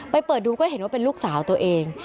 เปิดดูก็เห็นว่าเป็นลูกสาวตัวเอง